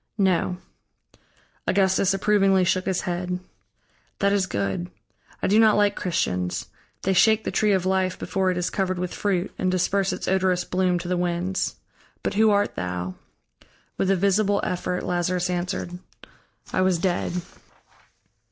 "No." Augustus approvingly shook his head. "That is good. I do not like Christians. They shake the tree of life before it is covered with fruit, and disperse its odorous bloom to the winds. But who art thou?" With a visible effort Lazarus answered: "I was dead."